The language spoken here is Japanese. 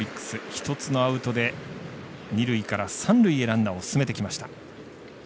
１つのアウトで二塁から三塁へランナーを進めてきました。